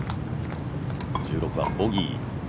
１６番、ボギー。